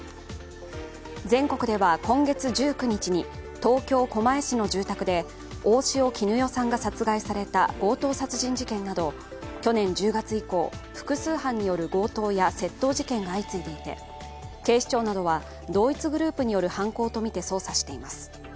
全国では今月１９日に東京・狛江市の住宅で大塩衣与さんが殺害された強盗殺人事件など去年１０月以降、複数犯による強盗や窃盗事件が相次いでいて、警視庁などは同一グループによる犯行とみて捜査しています。